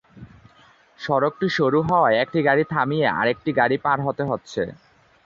সড়কটি সরু হওয়ায় একটি গাড়ি থামিয়ে আরেকটি গাড়ি পার হতে হচ্ছে।